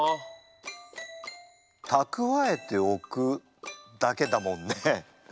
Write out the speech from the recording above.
たくわえておくだけだもんね。